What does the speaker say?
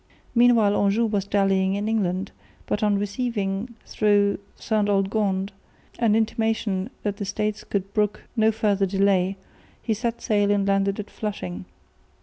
Meanwhile Anjou was dallying in England, but on receiving through Ste Aldegonde an intimation that the States could brook no further delay, he set sail and landed at Flushing.